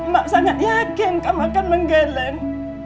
mak sangat yakin kamu akan menggeleng